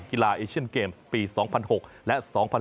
เอเชียนเกมส์ปี๒๐๐๖และ๒๐๑๖